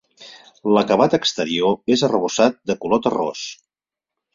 L'acabat exterior és arrebossat de color terrós.